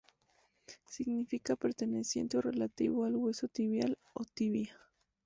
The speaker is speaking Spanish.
Significa "perteneciente o relativo al hueso tibial o tibia".